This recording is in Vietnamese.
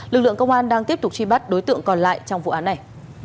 lực lượng công an đang tiếp tục truy bắt đối tượng còn lại trong vụ án này